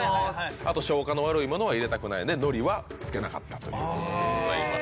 あと消化の悪いものは入れたくないのでのりは付けなかったということでございます。